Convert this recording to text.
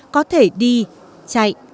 có thể đi chạy